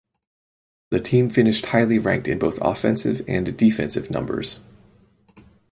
The team finished highly ranked in both offensive and defensive numbers.